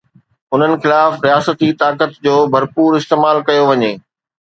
انهن خلاف رياستي طاقت جو ڀرپور استعمال ڪيو وڃي.